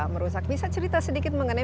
merusak bisa cerita sedikit mengenai